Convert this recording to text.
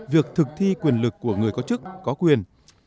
việc thực thi quyền lực của người có chức có quyền